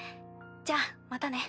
じゃあまたね。